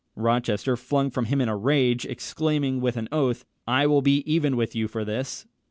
Rochester flung from him in a rage, exclaiming with an oath, "I will be even with you for this."